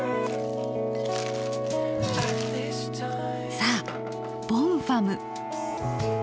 さあボンファム。